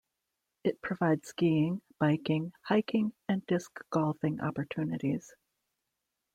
It provides skiing, biking, hiking, and disc golfing opportunities.